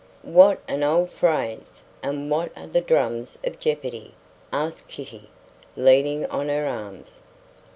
"What an odd phrase! And what are the drums of jeopardy?" asked Kitty, leaning on her arms.